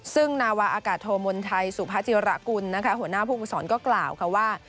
ซึ่งนาวาอากาศโธมน์ไทยสุภาจิรกุลหัวหน้าภูมิสอนก็กล่าวว่า